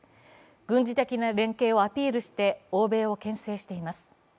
軍事的な連携をアピールして欧米を牽制しています。